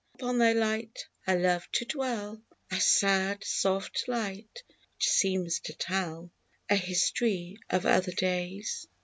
Upon thy light I love to dwell, — Thy sad, soft light, which seems to tell A history of other days